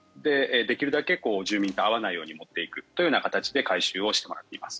できるだけ住民と会わないように持っていくという形で回収をしてもらっています。